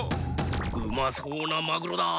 うまそうなマグロだ！